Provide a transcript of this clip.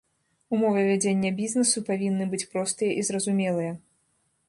Умовы вядзення бізнесу павінны быць простыя і зразумелыя.